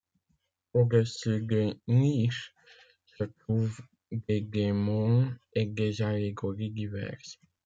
Au-dessus des niches se trouvent des démons et des allégories diverses.